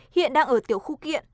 hiện đang ở tiểu khu kiện